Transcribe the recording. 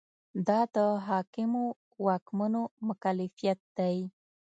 دا د حاکمو واکمنو مکلفیت دی.